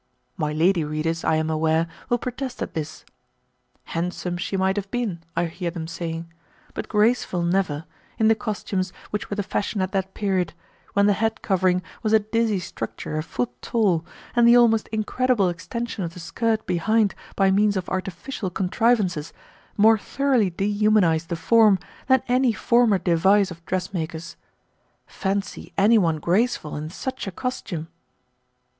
My lady readers, I am aware, will protest at this. "Handsome she might have been," I hear them saying, "but graceful never, in the costumes which were the fashion at that period, when the head covering was a dizzy structure a foot tall, and the almost incredible extension of the skirt behind by means of artificial contrivances more thoroughly dehumanized the form than any former device of dressmakers. Fancy any one graceful in such a costume!"